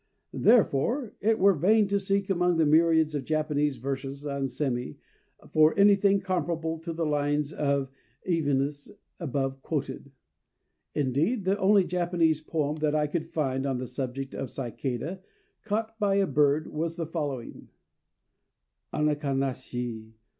Therefore it were vain to seek among the myriads of Japanese verses on sémi for anything comparable to the lines of Evenus above quoted; indeed, the only Japanese poem that I could find on the subject of a cicada caught by a bird, was the following: Ana kanashi!